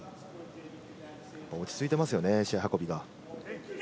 落ち着いていますよね、試合運びが。